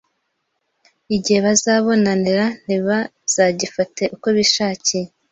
igihe bazabonanira ntibazagifate uko bishakiye.